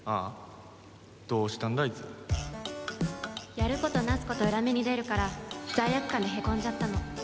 やることなすこと裏目に出るから罪悪感でへこんじゃったの。